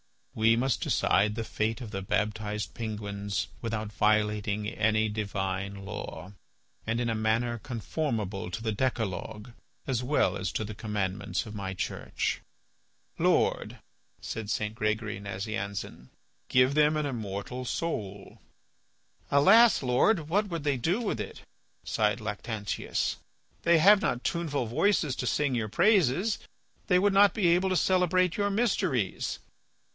We must decide the fate of the baptized penguins without violating any divine law, and in a manner conformable to the decalogue as well as to the commandments of my Church." "Lord," said St. Gregory Nazianzen, "give them an immortal soul." "Alas! Lord, what would they do with it," sighed Lactantius. "They have not tuneful voices to sing your praises. They would not be able to celebrate your mysteries."